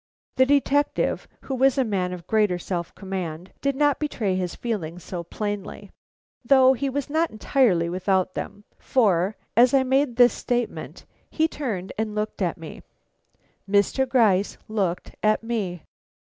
The detective, who was a man of greater self command, did not betray his feelings so plainly, though he was not entirely without them, for, as I made this statement, he turned and looked at me; Mr. Gryce looked at me.